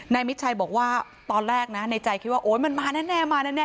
มิดชัยบอกว่าตอนแรกนะในใจคิดว่าโอ๊ยมันมาแน่มาแน่